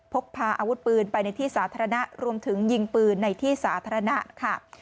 พกพาอาวุธปืนไปในที่สาธารณะรวมถึงยิงปืนในที่สาธารณะค่ะ